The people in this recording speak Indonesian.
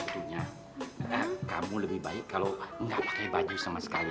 tentunya kamu lebih baik kalau nggak pakai baju sama sekali